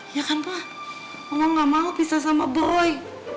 ya kan mbak mau gak mau bisa sama boy